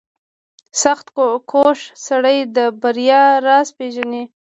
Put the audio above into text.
• سختکوش سړی د بریا راز پېژني.